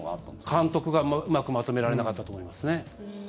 監督がうまくまとめられなかったと思いますね。